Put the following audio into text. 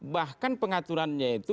bahkan pengaturannya itu